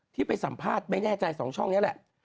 ที่ไปสัมภาษณ์ไม่แน่ใจ๒ช่องนี้แหละ